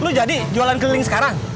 lu jadi jualan keliling sekarang